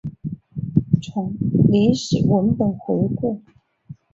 从历史文本回顾